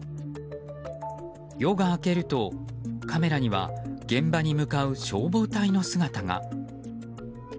夜が明けるとカメラには現場に向かう消防隊の姿が。